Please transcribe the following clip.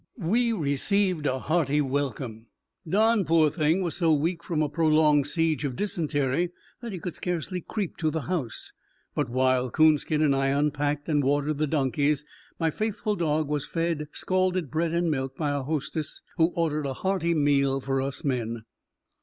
We received a hearty welcome. Don, poor thing, was so weak from a prolonged siege of dysentery that he could scarcely creep to the house; but, while Coonskin and I unpacked and watered the donkeys, my faithful dog was fed scalded bread and milk by our hostess, who ordered a hearty meal for us men.